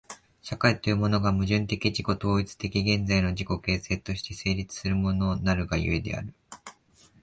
社会というものが、矛盾的自己同一的現在の自己形成として成立するものなるが故である。